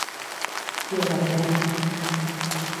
Qui el va crear?